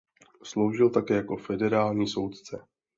Sloužil také jako federální soudce.